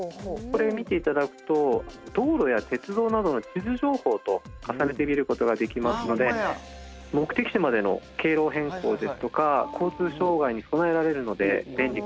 これを見ていただくと道路や鉄道などの地図情報と重ねて見ることができますので目的地までの経路変更ですとか交通障害に備えられるので便利かと。